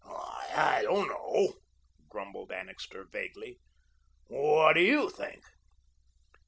"I don't know," grumbled Annixter vaguely. "What do YOU think?"